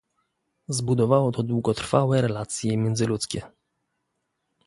Zbudowało to długotrwałe relacje międzyludzkie